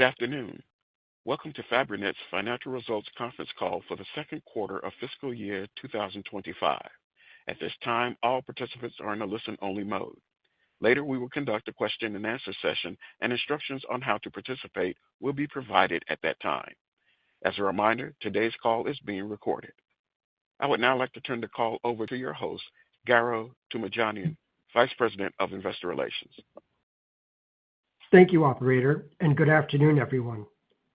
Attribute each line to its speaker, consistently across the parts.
Speaker 1: Good afternoon. Welcome to Fabrinet's financial results conference call for the second quarter of fiscal year 2025. At this time, all participants are in a listen-only mode. Later, we will conduct a question-and-answer session, and instructions on how to participate will be provided at that time. As a reminder, today's call is being recorded. I would now like to turn the call over to your host, Garo Toomajanian, Vice President of Investor Relations.
Speaker 2: Thank you, Operator, and good afternoon, everyone.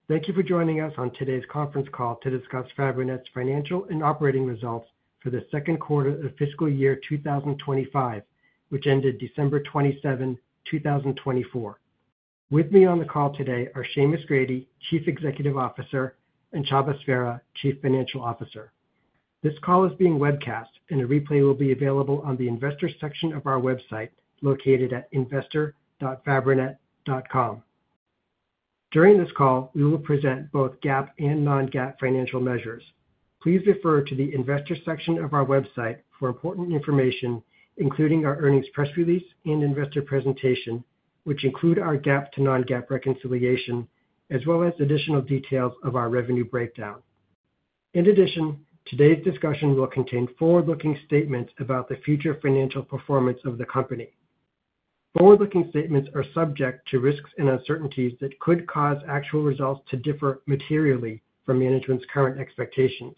Speaker 2: Thank you for joining us on today's conference call to discuss Fabrinet's financial and operating results for the second quarter of fiscal year 2025, which ended December 27, 2024. With me on the call today are Seamus Grady, Chief Executive Officer, and Csaba Sverha, Chief Financial Officer. This call is being webcast, and a replay will be available on the Investor section of our website located at investor.fabrinet.com. During this call, we will present both GAAP and non-GAAP financial measures. Please refer to the Investor section of our website for important information, including our earnings press release and investor presentation, which include our GAAP to non-GAAP reconciliation, as well as additional details of our revenue breakdown. In addition, today's discussion will contain forward-looking statements about the future financial performance of the company. Forward-looking statements are subject to risks and uncertainties that could cause actual results to differ materially from management's current expectations.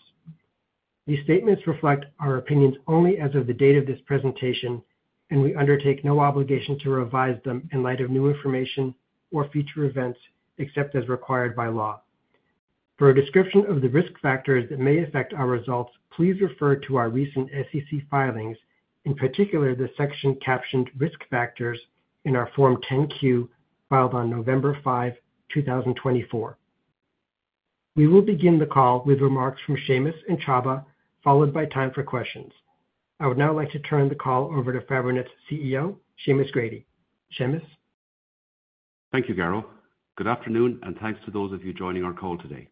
Speaker 2: These statements reflect our opinions only as of the date of this presentation, and we undertake no obligation to revise them in light of new information or future events except as required by law. For a description of the risk factors that may affect our results, please refer to our recent SEC filings, in particular the section captioned "Risk Factors" in our Form 10-Q filed on November 5, 2024. We will begin the call with remarks from Seamus and Csaba, followed by time for questions. I would now like to turn the call over to Fabrinet's CEO, Seamus Grady. Seamus?
Speaker 3: Thank you, Garo. Good afternoon, and thanks to those of you joining our call today.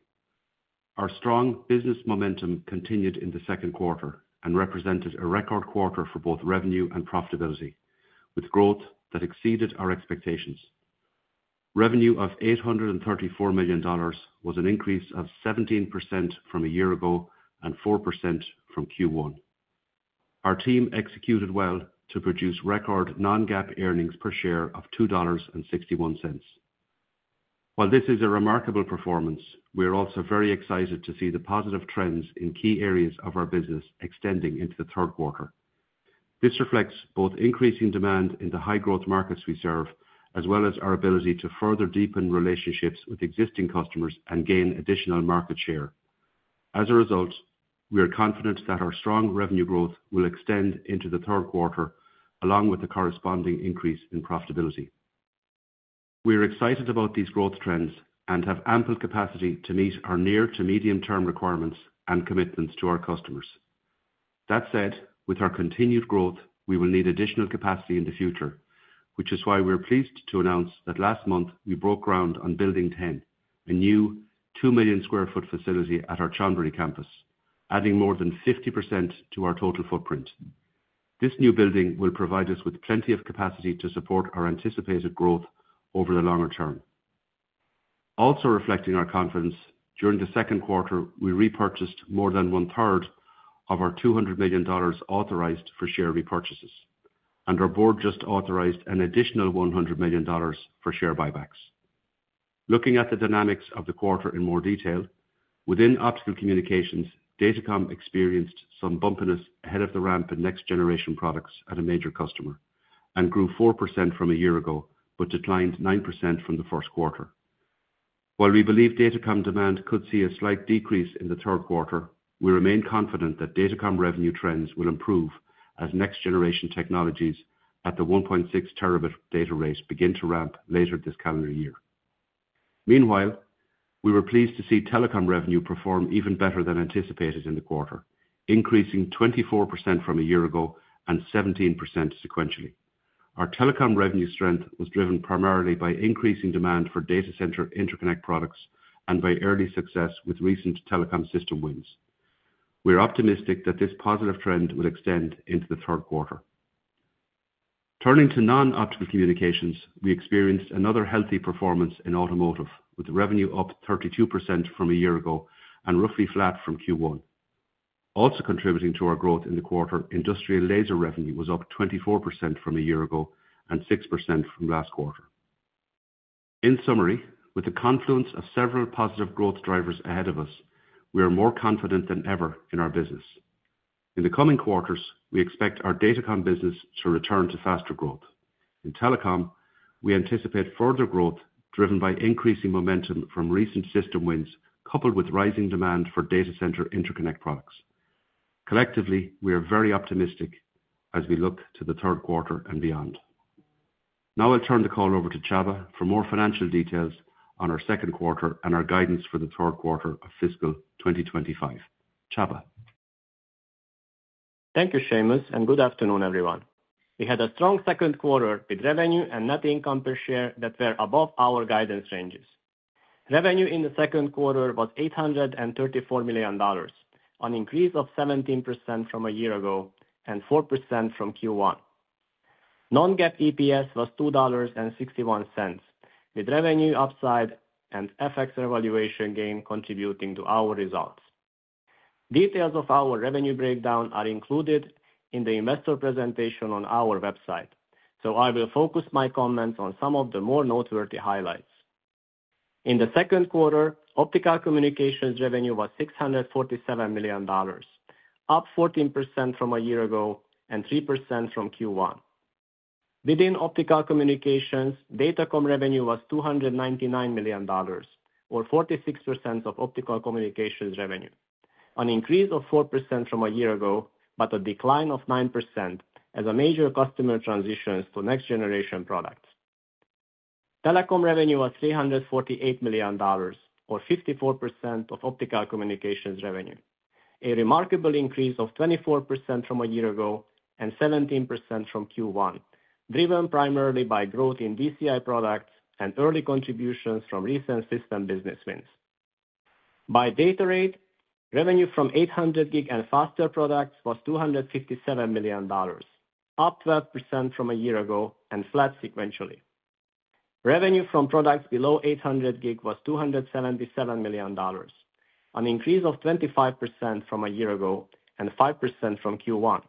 Speaker 3: Our strong business momentum continued in the second quarter and represented a record quarter for both revenue and profitability, with growth that exceeded our expectations. Revenue of $834 million was an increase of 17% from a year ago and 4% from Q1. Our team executed well to produce record non-GAAP earnings per share of $2.61. While this is a remarkable performance, we are also very excited to see the positive trends in key areas of our business extending into the third quarter. This reflects both increasing demand in the high-growth markets we serve, as well as our ability to further deepen relationships with existing customers and gain additional market share. As a result, we are confident that our strong revenue growth will extend into the third quarter, along with the corresponding increase in profitability. We are excited about these growth trends and have ample capacity to meet our near- to medium-term requirements and commitments to our customers. That said, with our continued growth, we will need additional capacity in the future, which is why we are pleased to announce that last month we broke ground on Building 10, a new 2 million sq ft facility at our Chonburi campus, adding more than 50% to our total footprint. This new building will provide us with plenty of capacity to support our anticipated growth over the longer term. Also reflecting our confidence, during the second quarter, we repurchased more than one-third of our $200 million authorized for share repurchases, and our board just authorized an additional $100 million for share buybacks. Looking at the dynamics of the quarter in more detail, within Optical Communications, Datacom experienced some bumpiness ahead of the ramp in next-generation products at a major customer and grew 4% from a year ago but declined 9% from the first quarter. While we believe Datacom demand could see a slight decrease in the third quarter, we remain confident that Datacom revenue trends will improve as next-generation technologies at the 1.6 terabit data rate begin to ramp later this calendar year. Meanwhile, we were pleased to see telecom revenue perform even better than anticipated in the quarter, increasing 24% from a year ago and 17% sequentially. Our telecom revenue strength was driven primarily by increasing demand for data center interconnect products and by early success with recent telecom system wins. We are optimistic that this positive trend will extend into the third quarter. Turning to Non-Optical Communications, we experienced another healthy performance in Automotive, with revenue up 32% from a year ago and roughly flat from Q1. Also contributing to our growth in the quarter, Industrial Laser revenue was up 24% from a year ago and 6% from last quarter. In summary, with the confluence of several positive growth drivers ahead of us, we are more confident than ever in our business. In the coming quarters, we expect our Datacom business to return to faster growth. In Telecom, we anticipate further growth driven by increasing momentum from recent system wins coupled with rising demand for data center interconnect products. Collectively, we are very optimistic as we look to the third quarter and beyond. Now I'll turn the call over to Csaba for more financial details on our second quarter and our guidance for the third quarter of fiscal 2025. Csaba.
Speaker 4: Thank you, Seamus, and good afternoon, everyone. We had a strong second quarter with revenue and net income per share that were above our guidance ranges. Revenue in the second quarter was $834 million, an increase of 17% from a year ago and 4% from Q1. Non-GAAP EPS was $2.61, with revenue upside and FX revaluation gain contributing to our results. Details of our revenue breakdown are included in the investor presentation on our website, so I will focus my comments on some of the more noteworthy highlights. In the second quarter, Optical Communications revenue was $647 million, up 14% from a year ago and 3% from Q1. Within Optical Communications, Datacom revenue was $299 million, or 46% of Optical Communications revenue, an increase of 4% from a year ago but a decline of 9% as a major customer transitions to next-generation products. Telecom revenue was $348 million, or 54% of Optical Communications revenue, a remarkable increase of 24% from a year ago and 17% from Q1, driven primarily by growth in DCI products and early contributions from recent system business wins. By data rate, revenue from 800 gig and faster products was $257 million, up 12% from a year ago and flat sequentially. Revenue from products below 800 gig was $277 million, an increase of 25% from a year ago and 5% from Q1.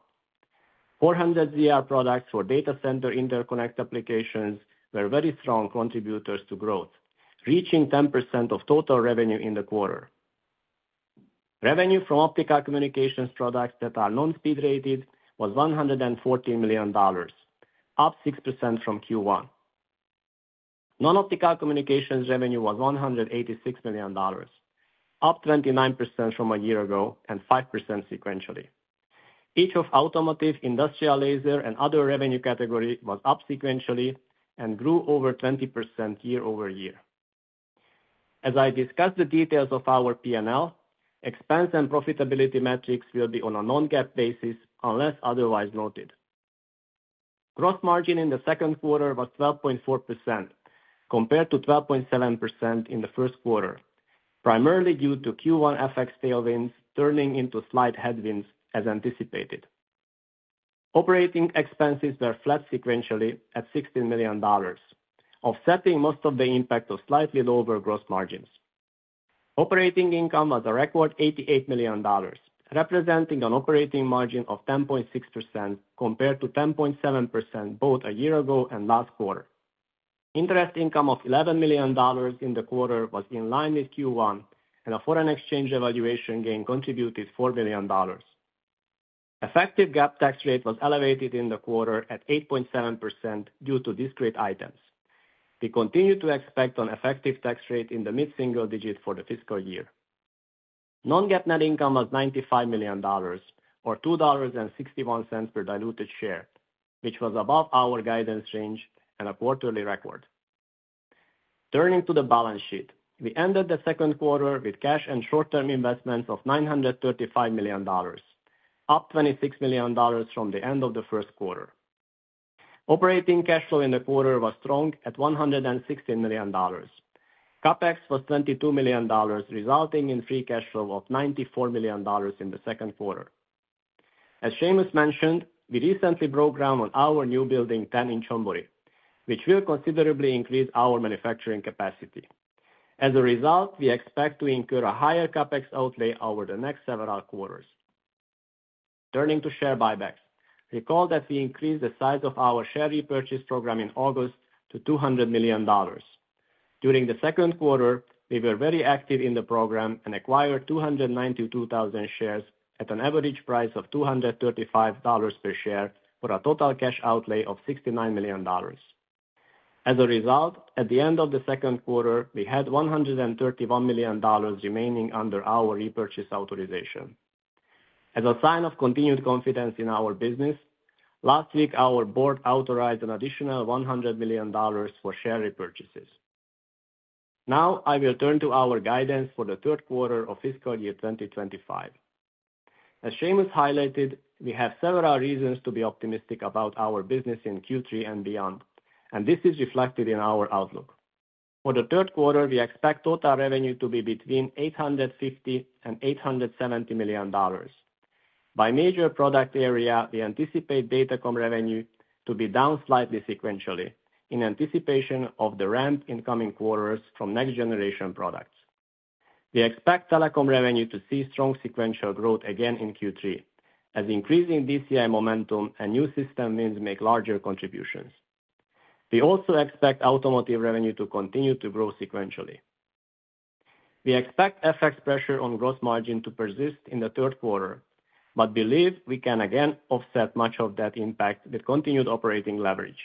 Speaker 4: 400ZR products for data center interconnect applications were very strong contributors to growth, reaching 10% of total revenue in the quarter. Revenue from Optical Communications products that are non-speed rated was $114 million, up 6% from Q1. Non-Optical Communications revenue was $186 million, up 29% from a year ago and 5% sequentially. Each of automotive, industrial laser, and other revenue categories was up sequentially and grew over 20% year-over-year. As I discussed the details of our P&L, expense and profitability metrics will be on a non-GAAP basis unless otherwise noted. Gross margin in the second quarter was 12.4% compared to 12.7% in the first quarter, primarily due to Q1 FX tailwinds turning into slight headwinds as anticipated. Operating expenses were flat sequentially at $16 million, offsetting most of the impact of slightly lower gross margins. Operating income was a record $88 million, representing an operating margin of 10.6% compared to 10.7% both a year ago and last quarter. Interest income of $11 million in the quarter was in line with Q1, and a foreign exchange revaluation gain contributed $4 million. Effective GAAP tax rate was elevated in the quarter at 8.7% due to discrete items. We continue to expect an effective tax rate in the mid-single-digit % for the fiscal year. Non-GAAP net income was $95 million, or $2.61 per diluted share, which was above our guidance range and a quarterly record. Turning to the balance sheet, we ended the second quarter with cash and short-term investments of $935 million, up $26 million from the end of the first quarter. Operating cash flow in the quarter was strong at $116 million. CapEx was $22 million, resulting in free cash flow of $94 million in the second quarter. As Seamus mentioned, we recently broke ground on our new Building 10 in Chonburi, which will considerably increase our manufacturing capacity. As a result, we expect to incur a higher CapEx outlay over the next several quarters. Turning to share buybacks, recall that we increased the size of our share repurchase program in August to $200 million. During the second quarter, we were very active in the program and acquired 292,000 shares at an average price of $235 per share for a total cash outlay of $69 million. As a result, at the end of the second quarter, we had $131 million remaining under our repurchase authorization. As a sign of continued confidence in our business, last week our board authorized an additional $100 million for share repurchases. Now I will turn to our guidance for the third quarter of fiscal year 2025. As Seamus highlighted, we have several reasons to be optimistic about our business in Q3 and beyond, and this is reflected in our outlook. For the third quarter, we expect total revenue to be between $850 and $870 million. By major product area, we anticipate Datacom revenue to be down slightly sequentially in anticipation of the ramp in coming quarters from next-generation products. We expect telecom revenue to see strong sequential growth again in Q3, as increasing DCI momentum and new system wins make larger contributions. We also expect automotive revenue to continue to grow sequentially. We expect FX pressure on gross margin to persist in the third quarter, but believe we can again offset much of that impact with continued operating leverage.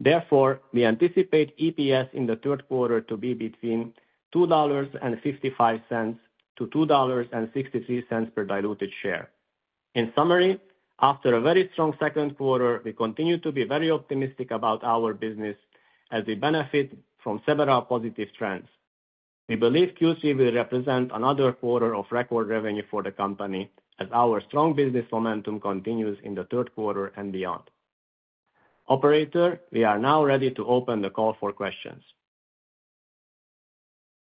Speaker 4: Therefore, we anticipate EPS in the third quarter to be between $2.55-$2.63 per diluted share. In summary, after a very strong second quarter, we continue to be very optimistic about our business as we benefit from several positive trends. We believe Q3 will represent another quarter of record revenue for the company as our strong business momentum continues in the third quarter and beyond. Operator, we are now ready to open the call for questions.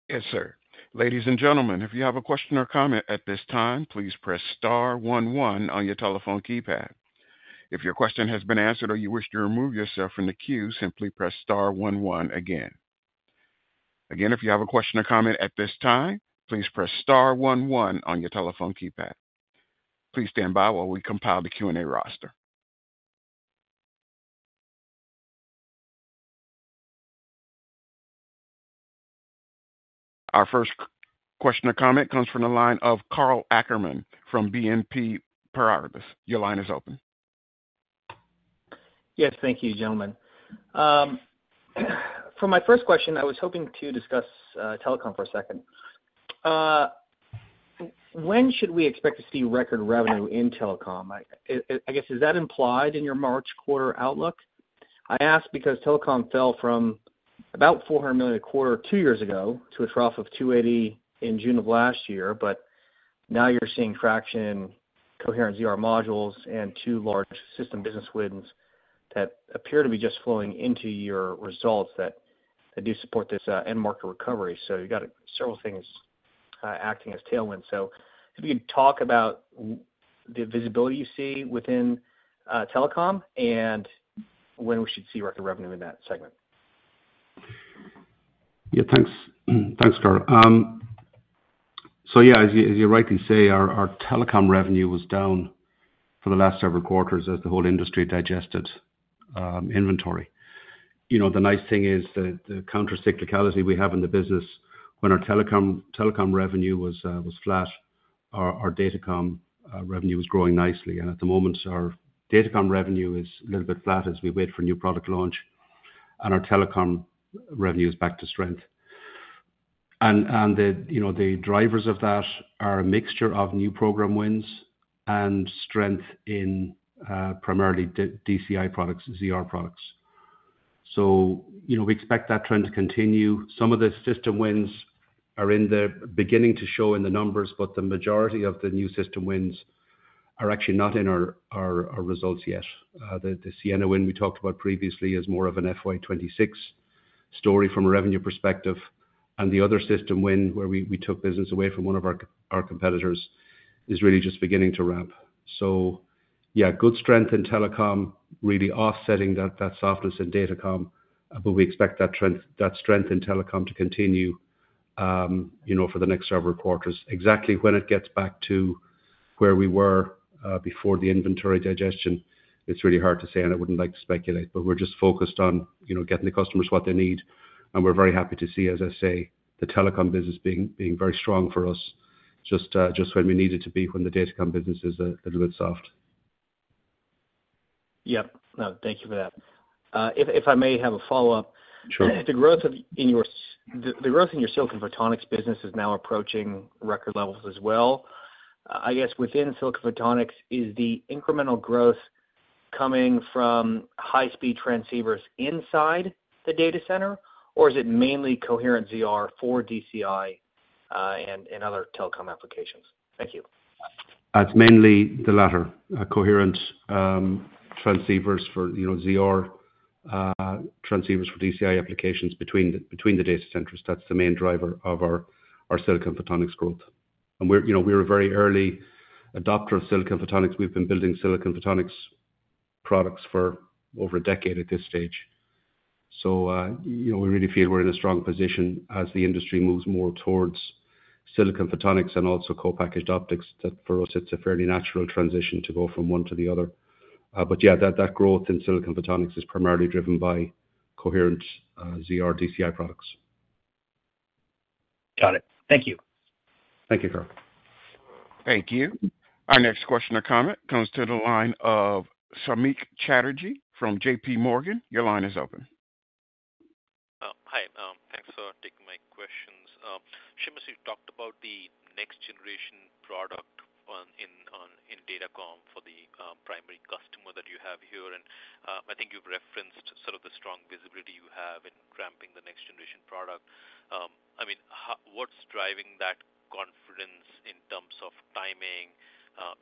Speaker 1: Yes, sir. Ladies and gentlemen, if you have a question or comment at this time, please press star one one on your telephone keypad. If your question has been answered or you wish to remove yourself from the queue, simply press star one one again. Again, if you have a question or comment at this time, please press star 11 on your telephone keypad. Please stand by while we compile the Q&A roster. Our first question or comment comes from the line of Karl Ackerman from BNP Paribas; your line is open.
Speaker 5: Yes, thank you, gentlemen. For my first question, I was hoping to discuss telecom for a second. When should we expect to see record revenue in telecom? I guess, is that implied in your March quarter outlook? I ask because telecom fell from about $400 million a quarter two years ago to a trough of $280 in June of last year, but now you're seeing traction in coherent ZR modules and two large system business wins that appear to be just flowing into your results that do support this end market recovery. So you've got several things acting as tailwinds. So if you could talk about the visibility you see within telecom and when we should see record revenue in that segment.
Speaker 3: Yeah, thanks, Karl. So yeah, as you're right to say, our Telecom revenue was down for the last several quarters as the whole industry digested inventory. The nice thing is that the countercyclicality we have in the business, when our Telecom revenue was flat, our Datacom revenue was growing nicely. And at the moment, our Datacom revenue is a little bit flat as we wait for a new product launch, and our Telecom revenue is back to strength. And the drivers of that are a mixture of new program wins and strength in primarily DCI products, ZR products. So we expect that trend to continue. Some of the system wins are beginning to show in the numbers, but the majority of the new system wins are actually not in our results yet. The Ciena win we talked about previously is more of an FY26 story from a revenue perspective. And the other system win where we took business away from one of our competitors is really just beginning to ramp. So yeah, good strength in Telecom, really offsetting that softness in Datacom, but we expect that strength in Telecom to continue for the next several quarters. Exactly when it gets back to where we were before the inventory digestion, it's really hard to say, and I wouldn't like to speculate, but we're just focused on getting the customers what they need. And we're very happy to see, as I say, the Telecom business being very strong for us just when we need it to be when the Datacom business is a little bit soft.
Speaker 5: Yep. No, thank you for that. If I may have a follow-up.
Speaker 3: Sure.
Speaker 5: The growth in your silicon photonics business is now approaching record levels as well. I guess within silicon photonics, is the incremental growth coming from high-speed transceivers inside the data center, or is it mainly coherent ZR for DCI and other telecom applications? Thank you.
Speaker 3: It's mainly the latter, coherent transceivers for ZR, transceivers for DCI applications between the data centers. That's the main driver of our silicon photonics growth. And we're a very early adopter of silicon photonics. We've been building silicon photonics products for over a decade at this stage. So we really feel we're in a strong position as the industry moves more towards silicon photonics and also co-packaged optics. For us, it's a fairly natural transition to go from one to the other. But yeah, that growth in silicon photonics is primarily driven by coherent ZR DCI products.
Speaker 5: Got it. Thank you.
Speaker 3: Thank you, sir.
Speaker 1: Thank you. Our next question or comment comes to the line of Samik Chatterjee from JPMorgan. Your line is open.
Speaker 6: Hi. Thanks for taking my questions. Seamus, you talked about the next-generation product in Datacom for the primary customer that you have here. And I think you've referenced sort of the strong visibility you have in ramping the next-generation product. I mean, what's driving that confidence in terms of timing?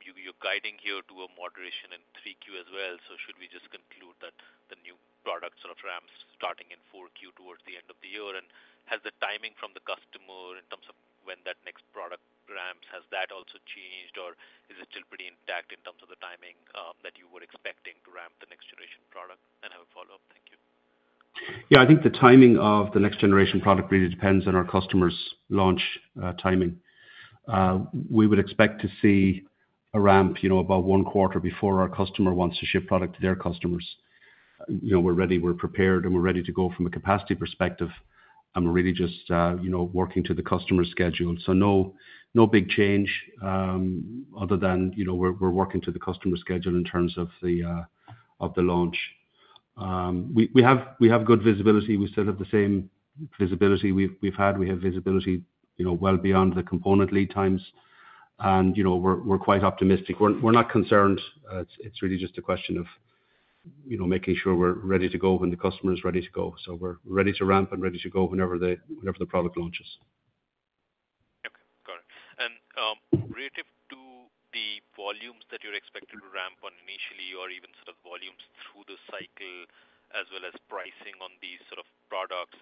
Speaker 6: You're guiding here to a moderation in 3Q as well. So should we just conclude that the new product sort of ramps starting in 4Q towards the end of the year? And has the timing from the customer in terms of when that next product ramps, has that also changed, or is it still pretty intact in terms of the timing that you were expecting to ramp the next-generation product? And I have a follow-up. Thank you.
Speaker 3: Yeah, I think the timing of the next-generation product really depends on our customer's launch timing. We would expect to see a ramp about one quarter before our customer wants to ship product to their customers. We're ready, we're prepared, and we're ready to go from a capacity perspective. And we're really just working to the customer's schedule. So no big change other than we're working to the customer's schedule in terms of the launch. We have good visibility. We still have the same visibility we've had. We have visibility well beyond the component lead times. And we're quite optimistic. We're not concerned. It's really just a question of making sure we're ready to go when the customer is ready to go. So we're ready to ramp and ready to go whenever the product launches.
Speaker 6: Okay. Got it. And relative to the volumes that you're expected to ramp on initially or even sort of volumes through the cycle as well as pricing on these sort of products,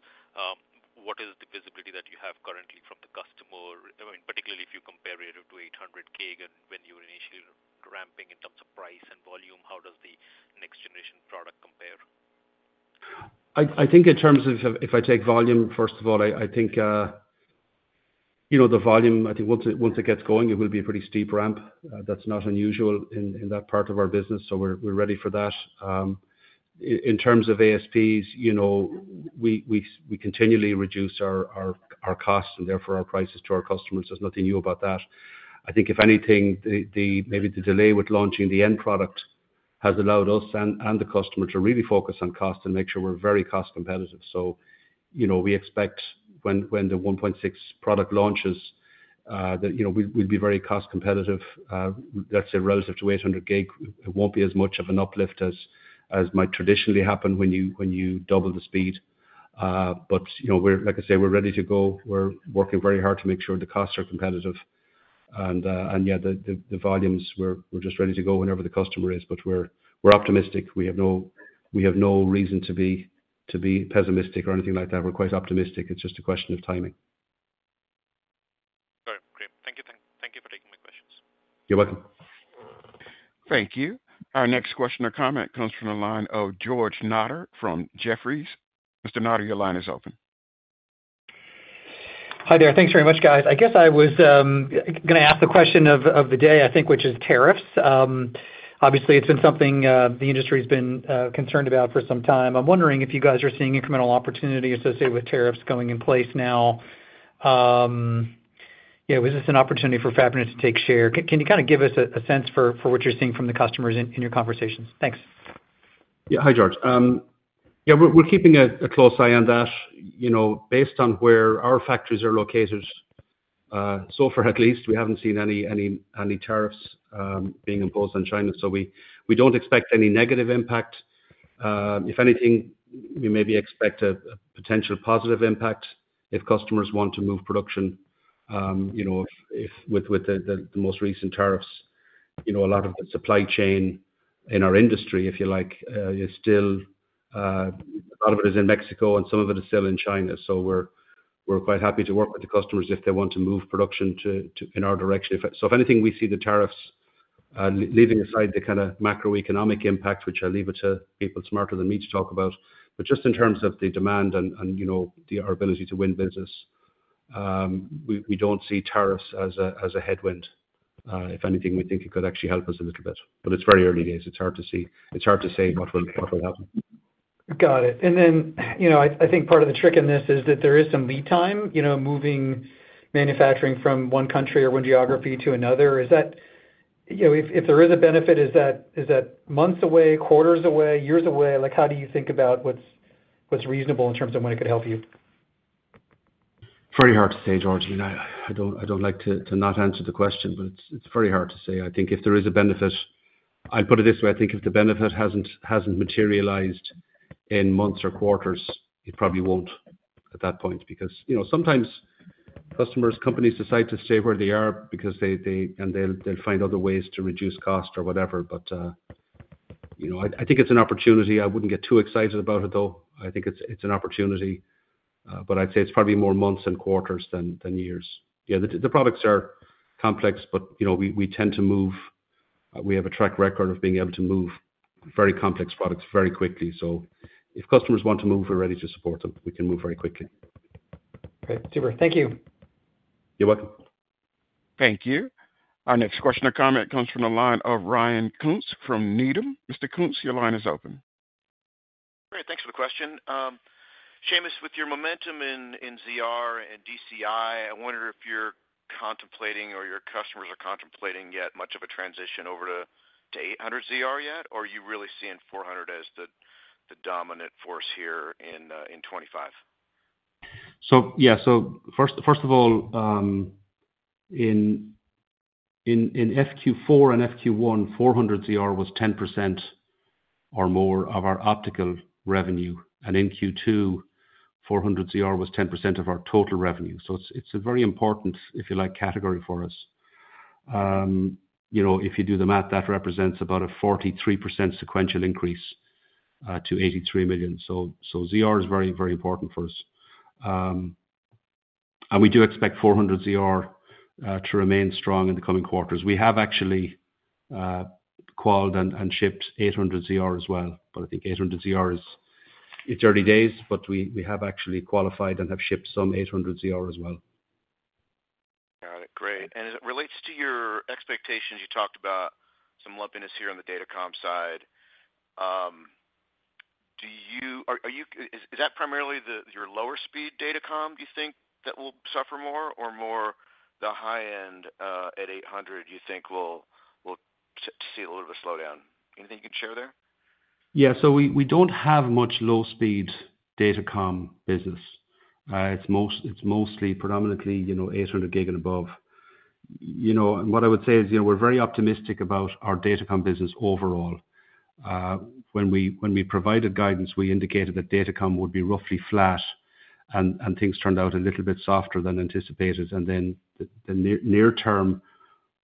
Speaker 6: what is the visibility that you have currently from the customer? I mean, particularly if you compare relative to 800G when you were initially ramping in terms of price and volume, how does the next-generation product compare?
Speaker 3: I think in terms of if I take volume, first of all, I think the volume, I think once it gets going, it will be a pretty steep ramp. That's not unusual in that part of our business. So we're ready for that. In terms of ASPs, we continually reduce our costs and therefore our prices to our customers. There's nothing new about that. I think if anything, maybe the delay with launching the end product has allowed us and the customer to really focus on cost and make sure we're very cost competitive. So we expect when the 1.6 product launches, we'll be very cost competitive. Let's say relative to 800G, it won't be as much of an uplift as might traditionally happen when you double the speed. But like I say, we're ready to go. We're working very hard to make sure the costs are competitive. Yeah, the volumes, we're just ready to go whenever the customer is. But we're optimistic. We have no reason to be pessimistic or anything like that. We're quite optimistic. It's just a question of timing.
Speaker 6: All right. Great. Thank you. Thank you for taking my questions.
Speaker 3: You're welcome.
Speaker 1: Thank you. Our next question or comment comes from the line of George Notter from Jefferies. Mr. Notter, your line is open.
Speaker 7: Hi there. Thanks very much, guys. I guess I was going to ask the question of the day, I think, which is tariffs. Obviously, it's been something the industry has been concerned about for some time. I'm wondering if you guys are seeing incremental opportunity associated with tariffs going in place now. Yeah, was this an opportunity for Fabrinet to take share? Can you kind of give us a sense for what you're seeing from the customers in your conversations? Thanks.
Speaker 3: Yeah. Hi, George. Yeah, we're keeping a close eye on that. Based on where our factories are located, so far at least, we haven't seen any tariffs being imposed on China. So we don't expect any negative impact. If anything, we maybe expect a potential positive impact if customers want to move production with the most recent tariffs. A lot of the supply chain in our industry, if you like, is still a lot of it is in Mexico, and some of it is still in China. So we're quite happy to work with the customers if they want to move production in our direction. So if anything, we see the tariffs leaving aside the kind of macroeconomic impact, which I'll leave it to people smarter than me to talk about. But just in terms of the demand and our ability to win business, we don't see tariffs as a headwind. If anything, we think it could actually help us a little bit. But it's very early days. It's hard to say what will happen.
Speaker 7: Got it, and then I think part of the trick in this is that there is some lead time moving manufacturing from one country or one geography to another. If there is a benefit, is that months away, quarters away, years away? How do you think about what's reasonable in terms of when it could help you?
Speaker 3: Very hard to say, George. I don't like to not answer the question, but it's very hard to say. I think if there is a benefit, I'll put it this way. I think if the benefit hasn't materialized in months or quarters, it probably won't at that point because sometimes customers, companies decide to stay where they are and they'll find other ways to reduce cost or whatever. But I think it's an opportunity. I wouldn't get too excited about it, though. I think it's an opportunity. But I'd say it's probably more months and quarters than years. Yeah, the products are complex, but we tend to move. We have a track record of being able to move very complex products very quickly. So if customers want to move, we're ready to support them. We can move very quickly.
Speaker 7: Great. Super. Thank you.
Speaker 3: You're welcome.
Speaker 1: Thank you. Our next question or comment comes from the line of Ryan Koontz from Needham. Mr. Koontz, your line is open.
Speaker 8: Great. Thanks for the question. Seamus, with your momentum in ZR and DCI, I wonder if you're contemplating or your customers are contemplating yet much of a transition over to 800ZR yet, or are you really seeing 400 as the dominant force here in 2025?
Speaker 3: So yeah, so first of all, in FQ4 and FQ1, 400ZR was 10% or more of our optical revenue. And in Q2, 400ZR was 10% of our total revenue. So it's a very important, if you like, category for us. If you do the math, that represents about a 43% sequential increase to $83 million. So ZR is very, very important for us. And we do expect 400ZR to remain strong in the coming quarters. We have actually qualified and shipped 800ZR as well. But I think 800ZR is early days, but we have actually qualified and have shipped some 800ZR as well.
Speaker 8: Got it. Great. And as it relates to your expectations, you talked about some lumpiness here on the Datacom side. Is that primarily your lower-speed Datacom, do you think, that will suffer more, or more the high-end at 800, you think, will see a little bit of a slowdown? Anything you can share there?
Speaker 3: Yeah. So we don't have much low-speed Datacom business. It's mostly predominantly 800 gig and above. And what I would say is we're very optimistic about our Datacom business overall. When we provided guidance, we indicated that Datacom would be roughly flat, and things turned out a little bit softer than anticipated. And then the near-term,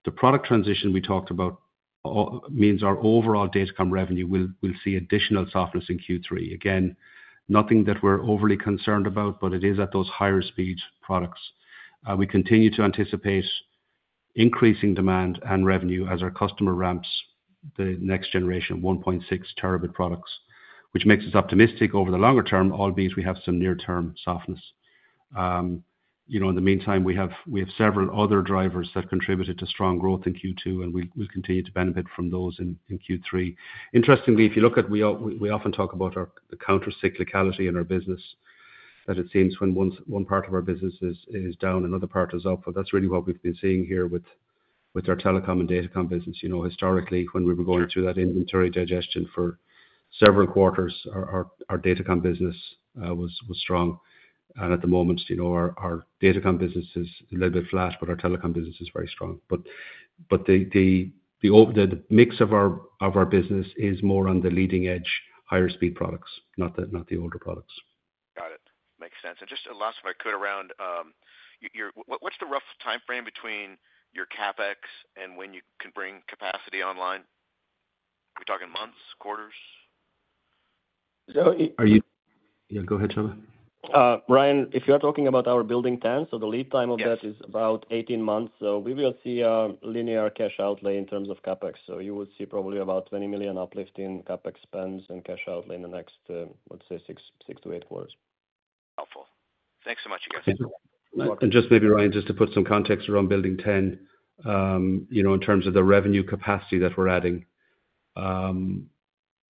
Speaker 3: the product transition we talked about means our overall Datacom revenue will see additional softness in Q3. Again, nothing that we're overly concerned about, but it is at those higher-speed products. We continue to anticipate increasing demand and revenue as our customer ramps the next generation of 1.6 terabit products, which makes us optimistic over the longer term, albeit we have some near-term softness. In the meantime, we have several other drivers that contributed to strong growth in Q2, and we'll continue to benefit from those in Q3. Interestingly, if you look at we often talk about the countercyclicality in our business, that it seems when one part of our business is down, another part is up, but that's really what we've been seeing here with our Telecom and Datacom business. Historically, when we were going through that inventory digestion for several quarters, our Datacom business was strong, and at the moment, our Datacom business is a little bit flat, but our Telecom business is very strong, but the mix of our business is more on the leading-edge, higher-speed products, not the older products.
Speaker 8: Got it. Makes sense and just the last one, what's the rough timeframe between your CapEx and when you can bring capacity online? Are we talking months, quarters? Yeah. Go ahead, Seamus.
Speaker 3: Ryan, if you are talking about our Building 10, so the lead time of that is about 18 months. So we will see a linear cash outlay in terms of CapEx. So you will see probably about $20 million uplift in CapEx spends and cash outlay in the next, let's say, six to eight quarters.
Speaker 8: Helpful. Thanks so much, you guys.
Speaker 3: And just maybe, Ryan, just to put some context around Building 10 in terms of the revenue capacity that we're adding.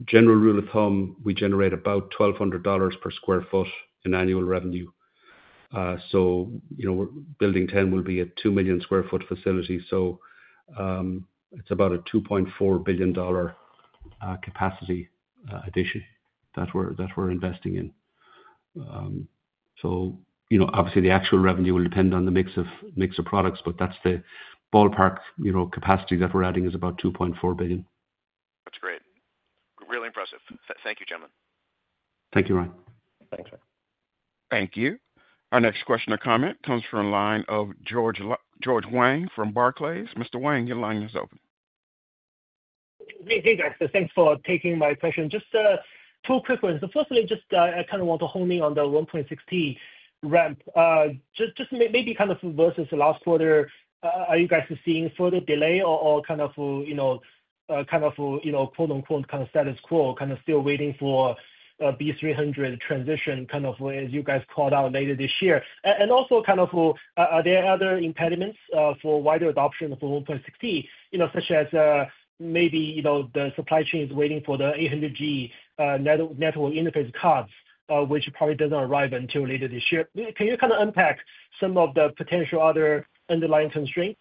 Speaker 3: General rule of thumb, we generate about $1,200 per sq ft in annual revenue. So Building 10 will be a 2 million sq ft facility. So it's about a $2.4 billion capacity addition that we're investing in. So obviously, the actual revenue will depend on the mix of products, but that's the ballpark capacity that we're adding is about $2.4 billion.
Speaker 8: That's great. Really impressive. Thank you, gentlemen.
Speaker 3: Thank you, Ryan.
Speaker 1: Thanks, Ryan. Thank you. Our next question or comment comes from a line of George Wang from Barclays. Mr. Wang, your line is open.
Speaker 9: Hey, guys. Thanks for taking my question. Just two quick ones. Firstly, just I kind of want to hone in on the 1.6T ramp. Just maybe kind of versus the last quarter, are you guys seeing further delay or kind of kind of quote-unquote kind of status quo, kind of still waiting for Blackwell transition kind of as you guys called out later this year? And also kind of are there other impediments for wider adoption for 1.6T, such as maybe the supply chain is waiting for the 800G network interface cards, which probably doesn't arrive until later this year? Can you kind of unpack some of the potential other underlying constraints,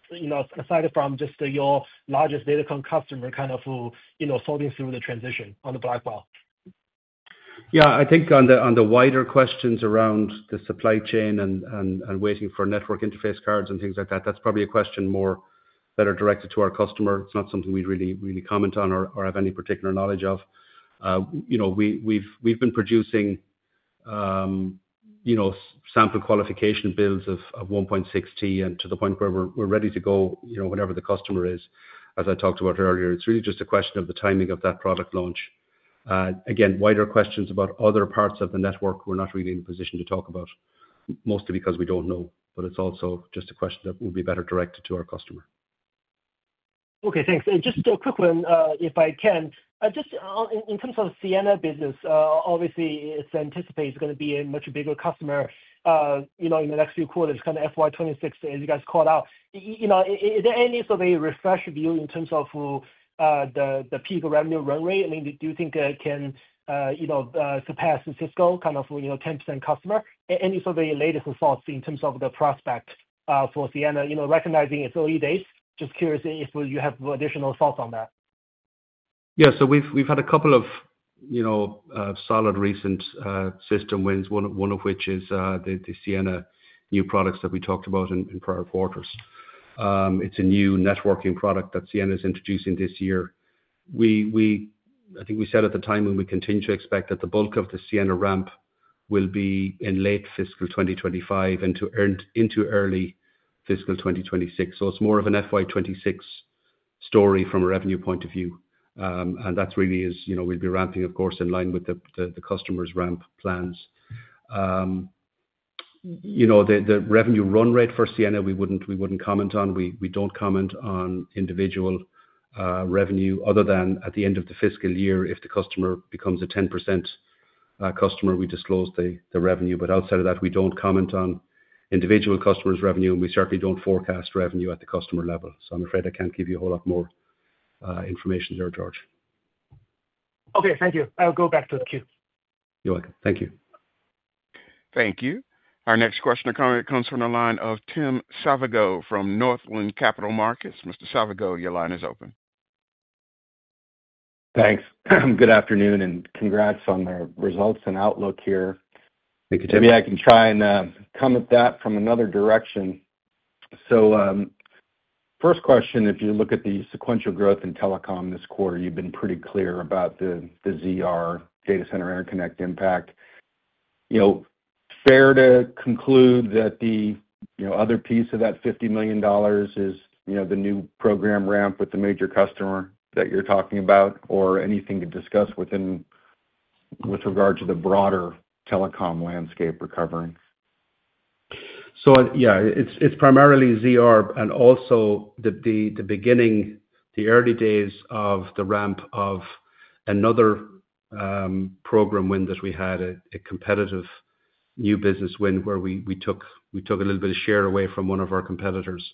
Speaker 9: aside from just your largest Datacom customer kind of sorting through the transition on the Blackwell?
Speaker 3: Yeah. I think on the wider questions around the supply chain and waiting for network interface cards and things like that, that's probably a question more that are directed to our customer. It's not something we really, really comment on or have any particular knowledge of. We've been producing sample qualification builds of 1.6T and to the point where we're ready to go whenever the customer is, as I talked about earlier. It's really just a question of the timing of that product launch. Again, wider questions about other parts of the network we're not really in a position to talk about, mostly because we don't know. But it's also just a question that will be better directed to our customer.
Speaker 9: Okay. Thanks. Just a quick one, if I can. Just in terms of Ciena business, obviously, it's anticipated it's going to be a much bigger customer in the next few quarters, kind of FY26, as you guys called out. Is there any sort of a refresh view in terms of the peak revenue run rate? I mean, do you think it can surpass Cisco kind of 10% customer? Any sort of the latest thoughts in terms of the prospect for Ciena, recognizing it's early days? Just curious if you have additional thoughts on that.
Speaker 3: Yeah. So we've had a couple of solid recent system wins, one of which is the Ciena new products that we talked about in prior quarters. It's a new networking product that Ciena is introducing this year. I think we said at the time when we continue to expect that the bulk of the Ciena ramp will be in late fiscal 2025 and into early fiscal 2026. So it's more of an FY26 story from a revenue point of view. And that really is we'll be ramping, of course, in line with the customer's ramp plans. The revenue run rate for Ciena, we wouldn't comment on. We don't comment on individual revenue other than at the end of the fiscal year, if the customer becomes a 10% customer, we disclose the revenue. But outside of that, we don't comment on individual customers' revenue, and we certainly don't forecast revenue at the customer level. So I'm afraid I can't give you a whole lot more information there, George.
Speaker 7: Okay. Thank you. I'll go back to the queue.
Speaker 3: You're welcome. Thank you.
Speaker 1: Thank you. Our next question or comment comes from the line of Tim Savageaux from Northland Capital Markets. Mr. Savageaux, your line is open.
Speaker 10: Thanks. Good afternoon, and congrats on the results and outlook here. Maybe I can try and comment that from another direction. So first question, if you look at the sequential growth in telecom this quarter, you've been pretty clear about the ZR data center interconnect impact. Fair to conclude that the other piece of that $50 million is the new program ramp with the major customer that you're talking about, or anything to discuss with regard to the broader telecom landscape recovering?
Speaker 3: So yeah, it's primarily ZR and also the beginning, the early days of the ramp of another program win that we had, a competitive new business win where we took a little bit of share away from one of our competitors.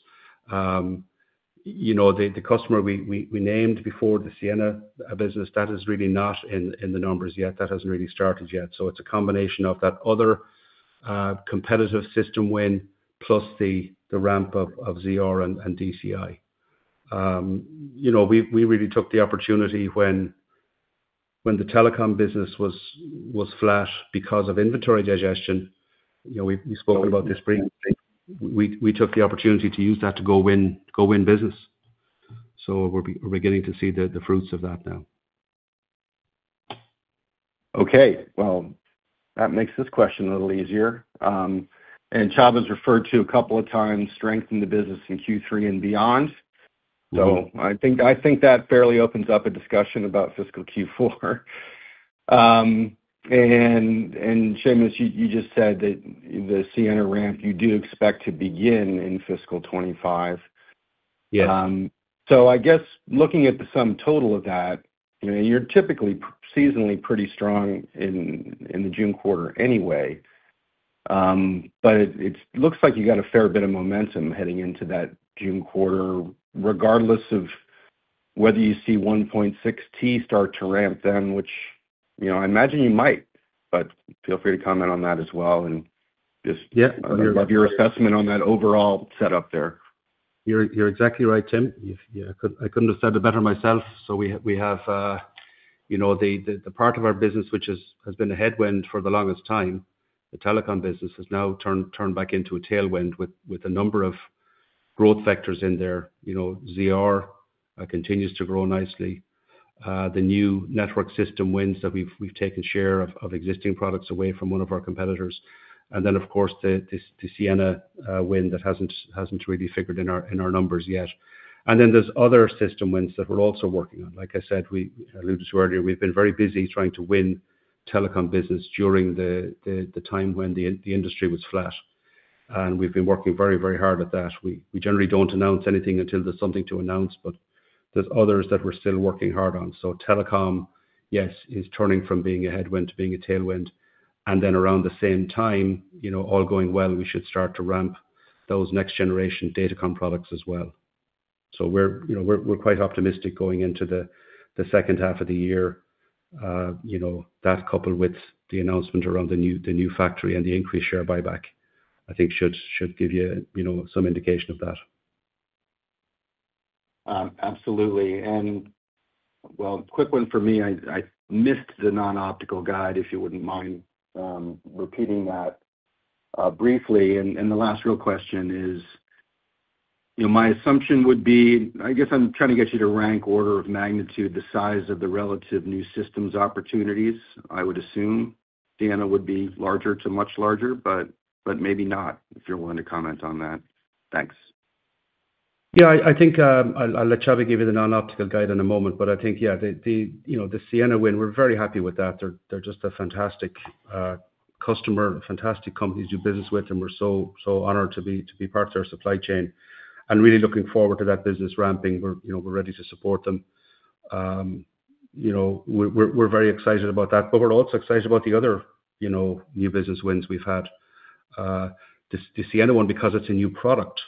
Speaker 3: The customer we named before the Ciena business, that is really not in the numbers yet. That hasn't really started yet. So it's a combination of that other competitive system win plus the ramp of ZR and DCI. We really took the opportunity when the telecom business was flat because of inventory digestion. We spoke about this briefly. We took the opportunity to use that to go win business. So we're beginning to see the fruits of that now.
Speaker 10: Okay. Well, that makes this question a little easier. And Csaba's referred to a couple of times strengthen the business in Q3 and beyond. So I think that fairly opens up a discussion about fiscal Q4. And Seamus, you just said that the Ciena ramp, you do expect to begin in fiscal 2025. So I guess looking at the sum total of that, you're typically seasonally pretty strong in the June quarter anyway. But it looks like you got a fair bit of momentum heading into that June quarter, regardless of whether you see 1.6T start to ramp then, which I imagine you might, but feel free to comment on that as well. And just love your assessment on that overall setup there.
Speaker 3: You're exactly right, Tim. I couldn't have said it better myself. So we have the part of our business which has been a headwind for the longest time. The telecom business has now turned back into a tailwind with a number of growth factors in there. ZR continues to grow nicely. The new network system wins that we've taken share of existing products away from one of our competitors. And then, of course, the Ciena win that hasn't really figured in our numbers yet. And then there's other system wins that we're also working on. Like I said, we alluded to earlier, we've been very busy trying to win telecom business during the time when the industry was flat. And we've been working very, very hard at that. We generally don't announce anything until there's something to announce, but there's others that we're still working hard on. So Telecom, yes, is turning from being a headwind to being a tailwind. And then around the same time, all going well, we should start to ramp those next-generation Datacom products as well. So we're quite optimistic going into the second half of the year. That coupled with the announcement around the new factory and the increased share buyback, I think should give you some indication of that.
Speaker 10: Absolutely. And well, quick one for me. I missed the non-optical guide, if you wouldn't mind repeating that briefly. And the last real question is my assumption would be, I guess I'm trying to get you to rank order of magnitude the size of the relative new systems opportunities, I would assume. Ciena would be larger to much larger, but maybe not if you're willing to comment on that. Thanks.
Speaker 3: Yeah. I think I'll let Csaba give you the non-optical guidance in a moment. But I think, yeah, the Ciena win, we're very happy with that. They're just a fantastic customer, fantastic company to do business with, and we're so honored to be part of their supply chain and really looking forward to that business ramping. We're ready to support them. We're very excited about that, but we're also excited about the other new business wins we've had. The Ciena one, because it's a new product,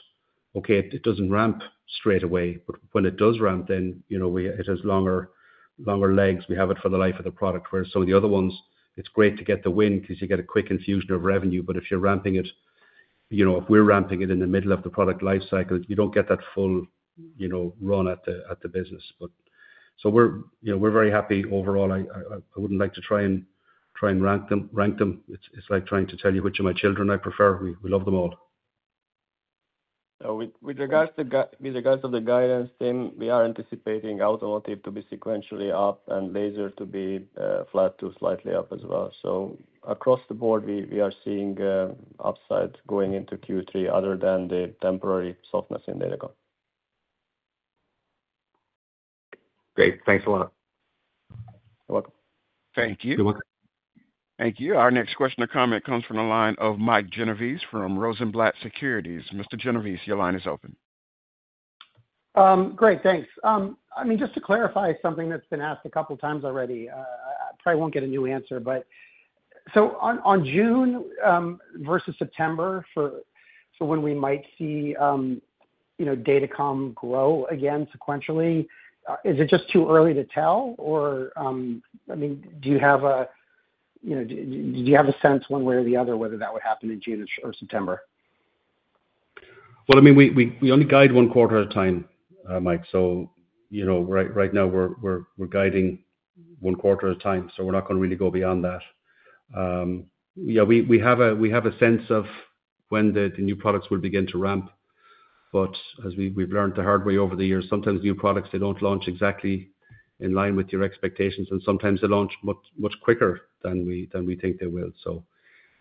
Speaker 3: okay, it doesn't ramp straight away. But when it does ramp, then it has longer legs. We have it for the life of the product, whereas some of the other ones, it's great to get the win because you get a quick infusion of revenue. But if you're ramping it, if we're ramping it in the middle of the product lifecycle, you don't get that full run at the business. So we're very happy overall. I wouldn't like to try and rank them. It's like trying to tell you which of my children I prefer. We love them all. With regards to the guidance, Tim, we are anticipating automotive to be sequentially up and laser to be flat to slightly up as well. So across the board, we are seeing upside going into Q3 other than the temporary softness in Datacom.
Speaker 10: Great. Thanks a lot.
Speaker 3: You're welcome.
Speaker 10: Thank you.
Speaker 3: You're welcome.
Speaker 1: Thank you. Our next question or comment comes from the line of Mike Genovese from Rosenblatt Securities. Mr. Genovese, your line is open.
Speaker 11: Great. Thanks. I mean, just to clarify something that's been asked a couple of times already. I probably won't get a new answer. So on June versus September, for when we might see Datacom grow again sequentially, is it just too early to tell? Or I mean, do you have a sense one way or the other whether that would happen in June or September?
Speaker 3: Well, I mean, we only guide one quarter of time, Mike. So right now, we're guiding one quarter of time. So we're not going to really go beyond that. Yeah, we have a sense of when the new products will begin to ramp. But as we've learned the hard way over the years, sometimes new products, they don't launch exactly in line with your expectations, and sometimes they launch much quicker than we think they will. So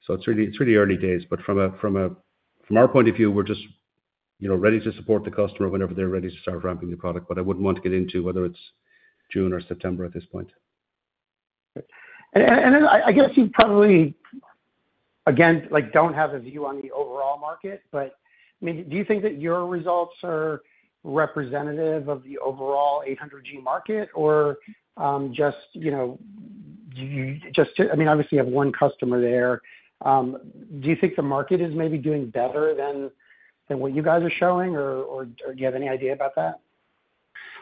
Speaker 3: it's really early days. But from our point of view, we're just ready to support the customer whenever they're ready to start ramping the product. But I wouldn't want to get into whether it's June or September at this point.
Speaker 11: And I guess you probably, again, don't have a view on the overall market. But I mean, do you think that your results are representative of the overall 800G market, or just I mean, obviously, you have one customer there. Do you think the market is maybe doing better than what you guys are showing, or do you have any idea about that?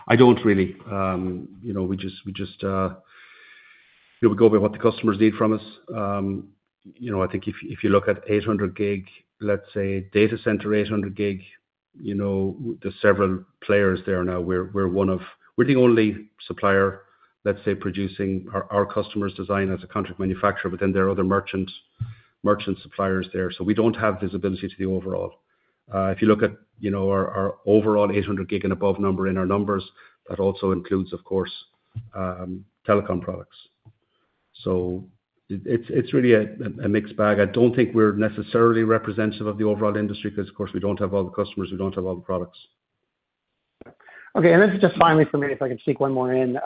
Speaker 3: I don't really. We just go by what the customers need from us. I think if you look at 800 gig, let's say data center 800 gig, there's several players there now. We're the only supplier, let's say, producing our customers' design as a contract manufacturer, but then there are other merchant suppliers there. So we don't have visibility to the overall. If you look at our overall 800 gig and above number in our numbers, that also includes, of course, telecom products. So it's really a mixed bag. I don't think we're necessarily representative of the overall industry because, of course, we don't have all the customers. We don't have all the products.
Speaker 11: Okay. And this is just finally for me if I could sneak one more in.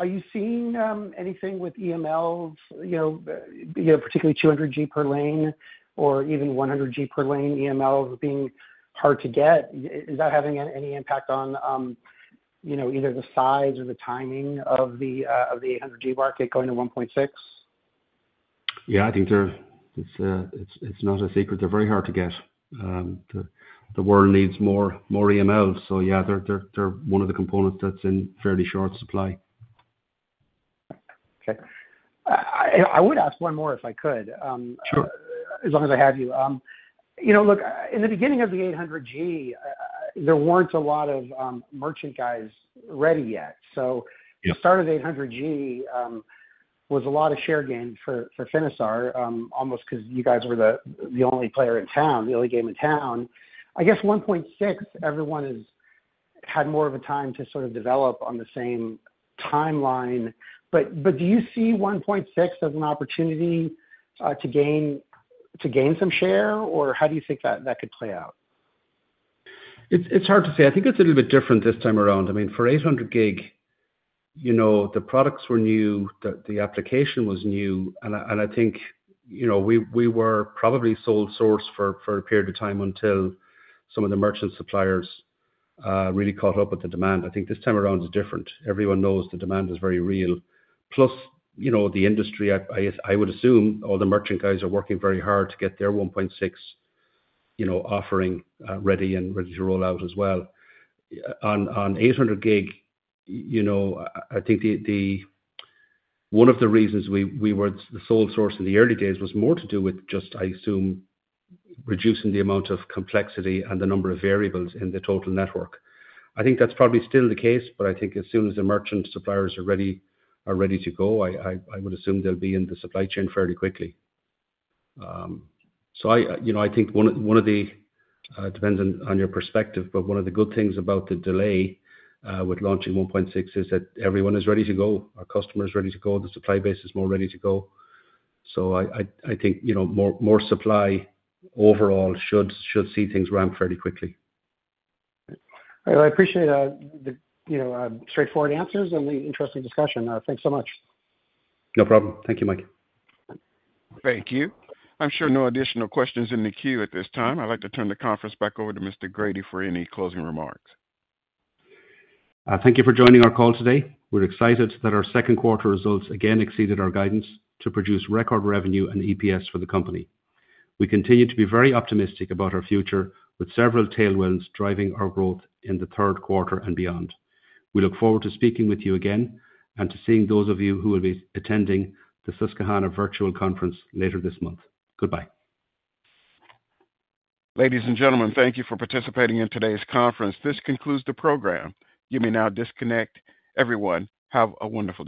Speaker 11: Are you seeing anything with EMLs, particularly 200G per lane or even 100G per lane EMLs being hard to get? Is that having any impact on either the size or the timing of the 800G market going to 1.6?
Speaker 3: Yeah, I think it's not a secret. They're very hard to get. The world needs more EMLs. So yeah, they're one of the components that's in fairly short supply.
Speaker 11: Okay. I would ask one more if I could, as long as I have you. Look, in the beginning of the 800G, there weren't a lot of merchant guys ready yet. So the start of the 800G was a lot of share gain for Finisar, almost because you guys were the only player in town, the only game in town. I guess 1.6, everyone had more of a time to sort of develop on the same timeline. But do you see 1.6 as an opportunity to gain some share, or how do you think that could play out?
Speaker 3: It's hard to say. I think it's a little bit different this time around. I mean, for 800 gig, the products were new. The application was new. And I think we were probably sole source for a period of time until some of the merchant suppliers really caught up with the demand. I think this time around is different. Everyone knows the demand is very real. Plus the industry, I would assume all the merchant guys are working very hard to get their 1.6 offering ready and ready to roll out as well. On 800 gig, I think one of the reasons we were the sole source in the early days was more to do with just, I assume, reducing the amount of complexity and the number of variables in the total network. I think that's probably still the case, but I think as soon as the merchant suppliers are ready to go, I would assume they'll be in the supply chain fairly quickly. So I think one of them depends on your perspective, but one of the good things about the delay with launching 1.6 is that everyone is ready to go. Our customer is ready to go. The supply base is more ready to go. So I think more supply overall should see things ramp fairly quickly.
Speaker 11: I appreciate the straightforward answers and the interesting discussion. Thanks so much.
Speaker 3: No problem. Thank you, Mike.
Speaker 1: Thank you. I'm sure no additional questions in the queue at this time. I'd like to turn the conference back over to Mr. Grady for any closing remarks.
Speaker 3: Thank you for joining our call today. We're excited that our second quarter results again exceeded our guidance to produce record revenue and EPS for the company. We continue to be very optimistic about our future with several tailwinds driving our growth in the third quarter and beyond. We look forward to speaking with you again and to seeing those of you who will be attending the Susquehanna Virtual Conference later this month. Goodbye.
Speaker 1: Ladies and gentlemen, thank you for participating in today's conference. This concludes the program. You may now disconnect. Everyone, have a wonderful day.